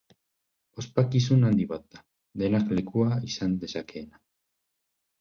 Ospakizun handi bat da, denak lekua izan dezakeena.